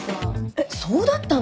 えっそうだったの！？